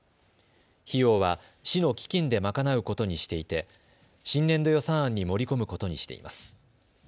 費用は市の基金で賄うことにしていて新年度予算案に盛り込むことにしています。